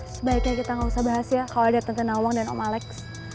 sebaiknya kita gak usah bahas ya kalau ada tentawong dan om alex